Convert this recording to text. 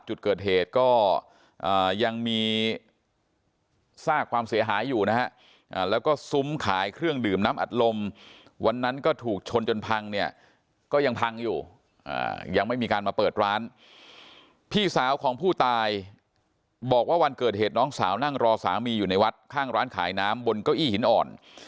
ชนจนพังเนี่ยก็ยังพังอยู่ยังไม่มีการมาเปิดร้านพี่สาวของผู้ตายบอกว่าวันเกิดเหตุน้องสาวนั่งรอสามีอยู่ในวัดข้างร้านขายน้ำบนเก้าอี้หินอ่อน